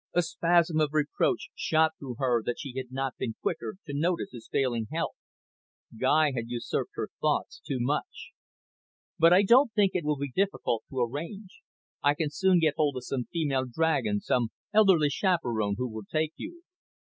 A spasm of reproach shot through her that she had not been quicker to notice his failing health. Guy had usurped her thoughts too much. "But I don't think it will be difficult to arrange. I can soon get hold of some female dragon, some elderly chaperon who will take you."